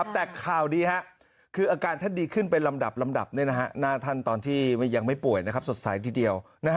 แต่ข่าวดีคืออาการท่านดีขึ้นเป็นลำดับลำดับหน้าท่านตอนที่ยังไม่ป่วยสดใสทีเดียว